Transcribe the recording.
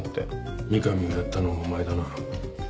三上をやったのもお前だな？